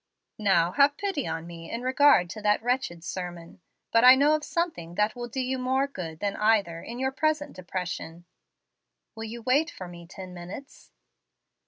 "Now have pity on me, in regard to that wretched sermon. But I know of something that will do you more good than either, in your present depression. Will you wait for me ten minutes?"